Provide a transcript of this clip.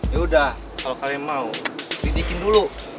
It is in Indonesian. yaudah kalau kalian mau didikin dulu